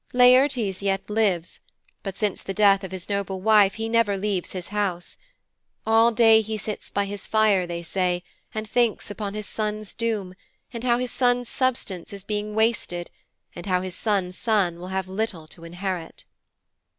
Laertes yet lives, but since the death of his noble wife he never leaves his house. All day he sits by his fire, they say, and thinks upon his son's doom, and how his son's substance is being wasted, and how his son's son will have but little to inherit.'